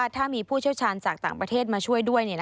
ถ้ามีผู้เชี่ยวชาญจากต่างประเทศมาช่วยด้วย